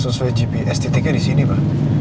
sos sesuai gps titiknya di sini mba